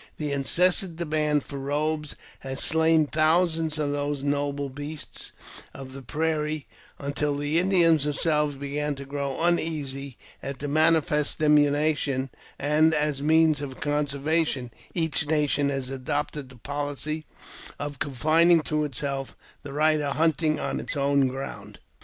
The incessant demand for robes has slain thou sands of those noble beasts of the prairie, until the Indians themselves begin to grow uneasy at the manifest diminution, and, as a means of conservation, each nation has adopted the policy of confining to itself the right of hunting on its own ground.